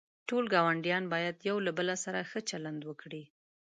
ټول گاونډیان باید یوله بل سره ښه چلند وکړي.